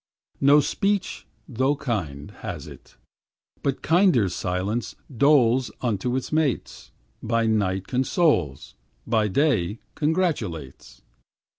No speech, though kind, has it; But kinder silence doles Unto its mates; By night consoles, By day congratulates.